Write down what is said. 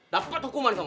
dapat hukuman kamu